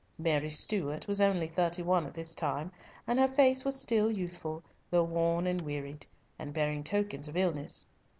Mary Stuart was only thirty one at this time, and her face was still youthful, though worn and wearied, and bearing tokens of illness.